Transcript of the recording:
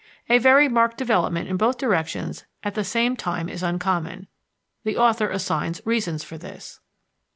A very marked development in both directions at the same time is uncommon; the author assigns reasons for this.